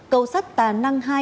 cầu sắt tà năng hai